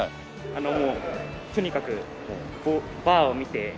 あのもうとにかくバーを見て。